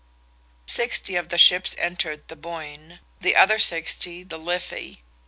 Sixty of the ships entered the Boyne; the other sixty the Liffey.